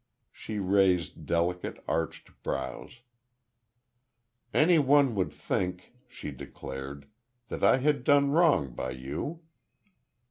She raised delicate, arched brows. "Anyone would think," she declared, "that I had done wrong by you."